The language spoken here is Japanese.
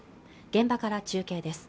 現場から中継です